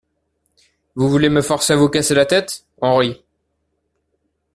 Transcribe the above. Vous voulez me forcer à vous casser la tête ? HENRI.